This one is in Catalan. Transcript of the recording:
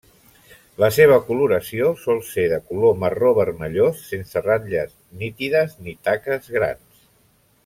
La seva coloració sol ser de color marró vermellós, sense ratlles nítides ni taques grans.